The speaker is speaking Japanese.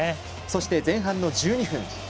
そして、前半の１２分。